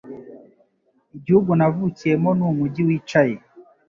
Igihugu navukiyemo ni umujyi wicaye